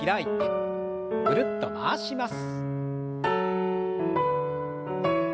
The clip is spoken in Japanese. ぐるっと回します。